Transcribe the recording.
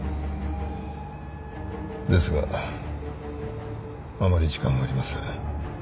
ですがあまり時間はありません。